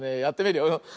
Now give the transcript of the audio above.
やってみるよ。